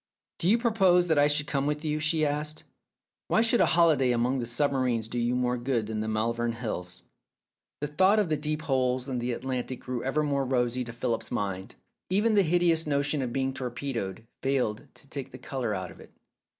" Do you propose that I should come with you ?" she asked. "Why should a holiday among the submarines do you more good than the Malvern Hills?" The thought of the deep holes in the Atlantic grew ever more rosy to Philip's mind. Even ihe hideous notion of being torpedoed failed to take the colour out of it.